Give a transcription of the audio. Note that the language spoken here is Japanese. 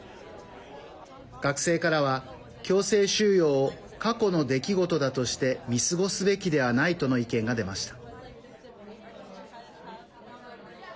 学生からは、強制収容を過去の出来事だとして見過ごすべきではないとの意見が出ました。